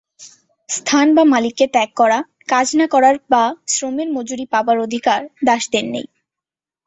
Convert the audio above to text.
স্থান বা মালিককে ত্যাগ করা, কাজ না করার বা শ্রমের মজুরি পাবার অধিকার দাসদের নেই।